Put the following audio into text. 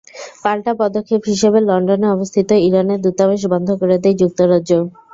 পাল্টা পদক্ষেপ হিসেবে লন্ডনে অবস্থিত ইরানের দূতাবাস বন্ধ করে দেয় যুক্তরাজ্য।